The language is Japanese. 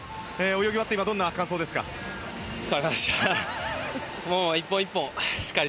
泳ぎ終わってどんな感想ですか？